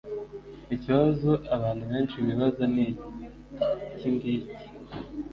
Ikibazo abantu benshi bibaza ni ikingiki